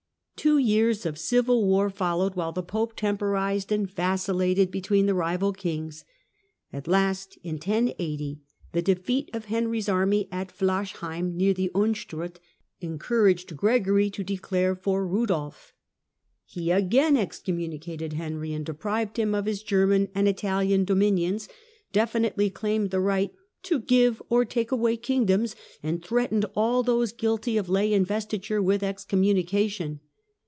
Two years of civil war followed, while the Pope temporized and vacillated between the rival kings. At last, in 1080, the defeat of Henry's army at Flarchheim, near the Unstrut, encouraged Gregory to declare for Eudolf. He again excommunicated Henry, and deprived him of his German and Italian dominions, definitely claimed the right " to give or take away king doms," and threatened all those guilty of lay investiture with excommunication.